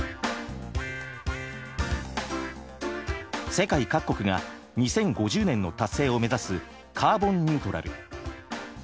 世界各国が２０５０年の達成を目指すカーボンニュートラル。